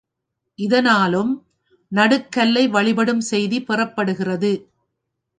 இதனாலும் நடுகல்லை வழிபடும் செய்தி பெறப்படுகிறது.